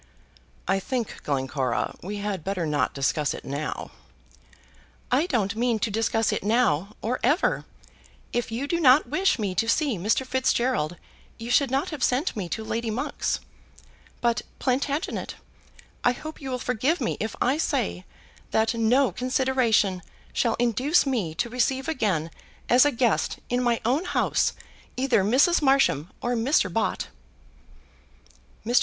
"I think, Glencora, we had better not discuss it now." "I don't mean to discuss it now, or ever. If you did not wish me to see Mr. Fitzgerald you should not have sent me to Lady Monk's. But, Plantagenet, I hope you will forgive me if I say that no consideration shall induce me to receive again as a guest, in my own house, either Mrs. Marsham or Mr. Bott." Mr.